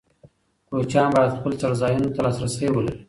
کوچیان باید خپل څړځایونو ته لاسرسی ولري.